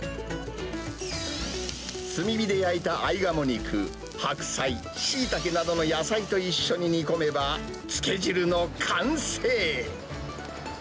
炭火で焼いたあいがも肉、白菜、シイタケなどの野菜と一緒に煮込めば、つけ汁の完成。